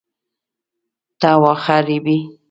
ته واخه ریبې؟